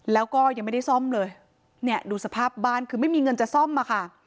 แล้วก็ยังไม่ได้ซ่อมเลยเนี่ยดูสภาพบ้านคือไม่มีเงินจะซ่อมอะค่ะ